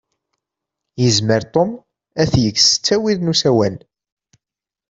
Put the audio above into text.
Yezmer Tom ad t-yeg s ttawil n usawal.